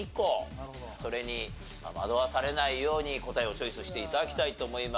それに惑わされないように答えをチョイスして頂きたいと思いますが。